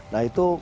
nah itu bagus